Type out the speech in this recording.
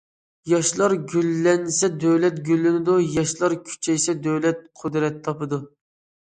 ياشلار گۈللەنسە دۆلەت گۈللىنىدۇ، ياشلار كۈچەيسە دۆلەت قۇدرەت تاپىدۇ.